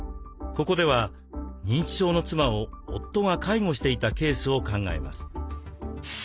ここでは認知症の妻を夫が介護していたケースを考えます。